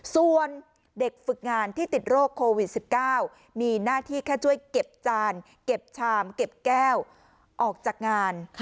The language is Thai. ส่วนเด็กฝึกงานที่ติดโรคโควิด๑๙มีหน้าที่แค่ช่วยเก็บจานเก็บชามเก็บแก้วออกจากงาน